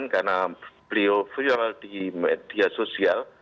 karena beliau viral di media sosial